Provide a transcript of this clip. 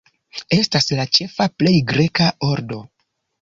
Estas la ĉefa plej greka ordo.